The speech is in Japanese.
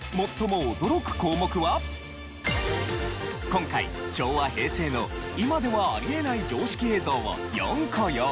今回昭和・平成の今ではあり得ない常識映像を４個用意。